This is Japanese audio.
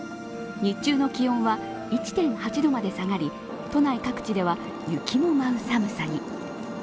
日中の気温は１．８度まで下がり都内各地では雪の舞う寒さに。